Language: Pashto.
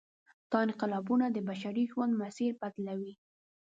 دا انقلابونه د بشري ژوند مسیر بدلوي.